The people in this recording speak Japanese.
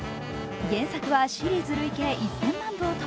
原作はシリーズ累計１０００万部を突